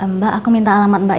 mbak aku minta alamat mbak